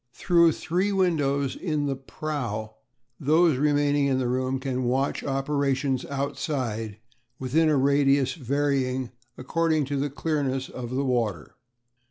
Through three windows in the prow those remaining in the room can watch operations outside within a radius varying according to the clearness of the water.